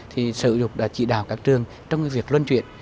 thì sở dụng đã chỉ đào các trường trong việc luân chuyển